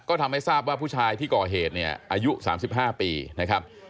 ก็ทำให้ทราบว่าผู้ชายที่ก่อเหตุเนี่ยอายุ๓๕ปีนะครับ